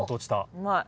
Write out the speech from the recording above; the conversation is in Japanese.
うまい。